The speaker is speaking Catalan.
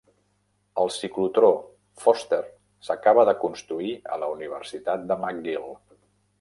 El ciclotró Foster s"acaba de construir a la Universitat de McGill.